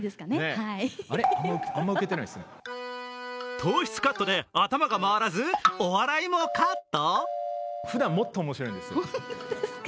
糖質カットで頭が回らずお笑いもカット？